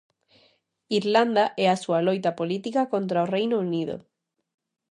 Irlanda e a súa loita política contra o Reino Unido.